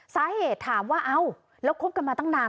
สาเหตุถามว่าเอ้าแล้วคบกันมาตั้งนาน